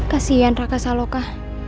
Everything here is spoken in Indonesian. kasian raka saloka